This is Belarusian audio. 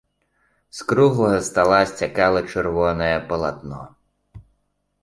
З круглага стала сцякала чырвонае палатно.